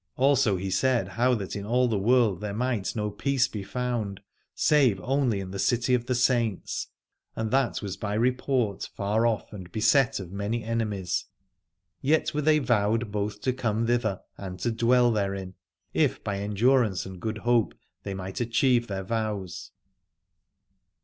Also he said how that in all the world there might no peace be found, save only in the City of the Saints : and that was by report far off and beset of many enemies. Yet were they vowed both to come thither and to dwell therein, if by endurance and good hope they might achieve their vows.